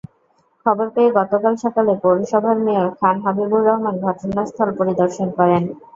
খবর পেয়ে গতকাল সকালে পৌরসভার মেয়র খান হাবিবুর রহমান ঘটনাস্থল পরিদর্শন করেন।